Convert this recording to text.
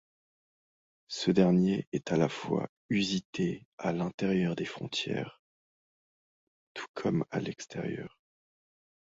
Ce-dernier est à la fois usité à l'intérieur des frontières tout comme à l'extérieur.